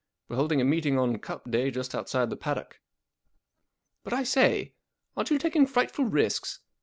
We Ye holding a meeting on Cup day just outside the paddock/' " But, I say, aren't you taking frightful risks